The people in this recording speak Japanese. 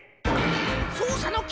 そうさのき